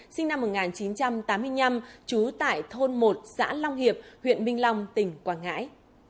sinh năm một nghìn chín trăm tám mươi năm trú tại thôn một xã long hiệp huyện minh long tỉnh quảng ngãi